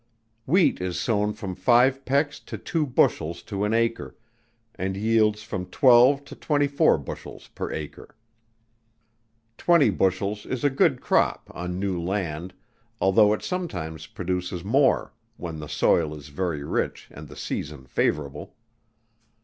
Wheat is sown from five pecks to two bushels to an acre, and yields from twelve to twenty four bushels per acre. Twenty bushels is a good crop, on new land, although it sometimes produces more, when the soil is very rich and the season favourable.